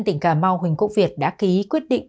tỉnh cà mau huỳnh quốc việt đã ký quyết định